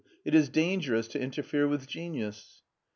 It is dangerous to interfere with genius."